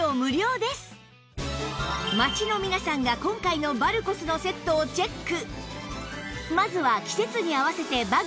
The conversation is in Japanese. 街の皆さんが今回のバルコスのセットをチェック